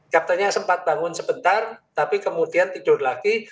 kaptennya sempat bangun sebentar tapi kemudian tidur lagi